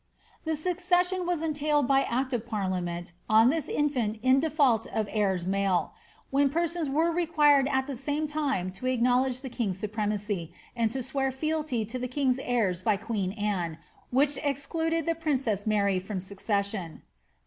The succession was entailed by act of parliament on this infant in default of heirs male ; when persons were required at the same time to acknowledge the king's supremacy, and to swear fealty to the king's heirs by queen Anne, which excluded the princess Mary from the suc cession.